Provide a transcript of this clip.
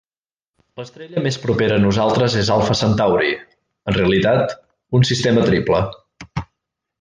L'estrella més propera a nosaltres és Alfa Centauri, en realitat un sistema triple.